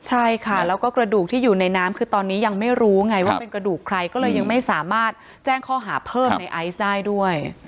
ใช่ค่ะแล้วก็กระดูกที่อยู่ในน้ำคือตอนนี้ยังไม่รู้ไงว่าเป็นกระดูกใครก็เลยยังไม่สามารถแจ้งข้อหาเพิ่มในไอซ์ได้ด้วย